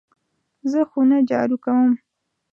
زه خونه جارو کوم .